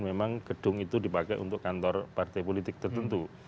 memang gedung itu dipakai untuk kantor partai politik tertentu